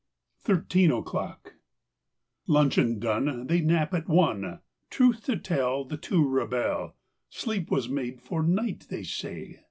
THIRTEEN O'CLOCK L uncheon done, ^ They nap at one; Truth to tell, The two rebel. Sleep was made for night, they say.